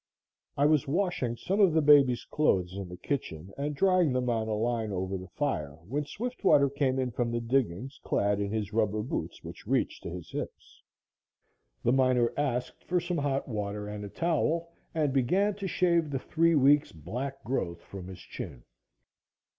I was washing some of the baby's clothes in the kitchen and drying them on a line over the fire, when Swiftwater came in from the diggings, clad in his rubber boots which reached to his hips. The miner asked for some hot water and a towel and began to shave the three weeks' black growth from his chin.